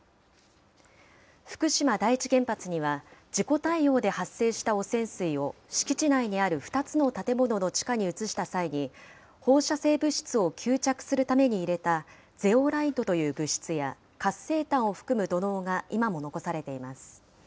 福島第一原発には、事故対応で発生した汚染水を敷地内にある２つの建物の地下に移した際に、放射性物質を吸着するために入れたゼオライトという物質や活性炭を含む土のうが今も残されています。